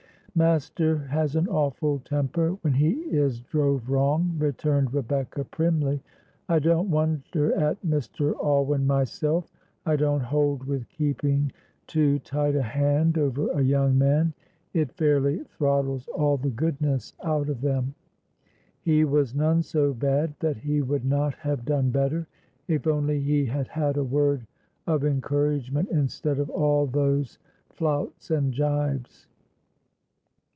"Master has an awful temper when he is drove wrong," returned Rebecca, primly; "I don't wonder at Mr. Alwyn myself. I don't hold with keeping too tight a hand over a young man, it fairly throttles all the goodness out of them. He was none so bad that he would not have done better, if only he had had a word of encouragement instead of all those flouts and jibes."